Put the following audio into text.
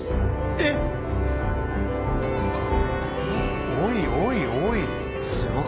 えっ⁉おいおいおい。